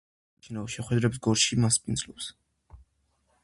ცხინვალის „სპარტაკი“ საშინაო შეხვედრებს გორში მასპინძლობდა.